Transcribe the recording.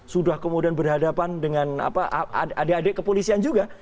sudah kemudian berhadapan dengan adik adik kepolisian juga